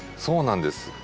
そうなんです。